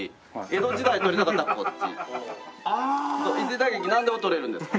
時代劇なんでも撮れるんです。